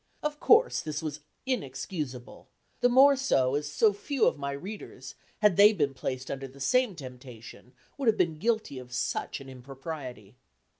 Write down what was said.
Of course this was inexcusable, the more so as so few of my readers, had they been placed under the same temptation, would have been guilty of such an impropriety!